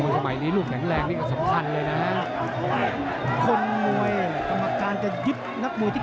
อย่ายุบนะอย่ายุบอย่ายุบนะครับ